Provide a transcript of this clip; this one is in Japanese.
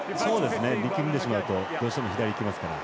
力んでしまうとどうしても左いきますから。